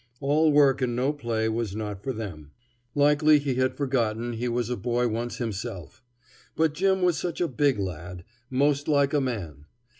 All work and no play was not for them. Likely he had forgotten he was a boy once himself. But Jim was such a big lad, 'most like a man.